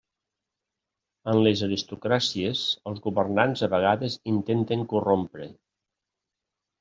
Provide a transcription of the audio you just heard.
En les aristocràcies, els governants a vegades intenten corrompre.